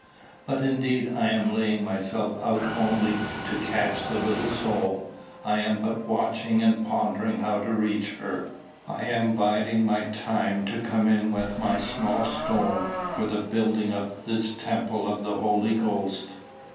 But indeed I am laying myself out only to catch the little soul. I am but watching and pondering how to reach her. I am biding my time to come in with my small stone for the building up of this temple of the Holy Ghost."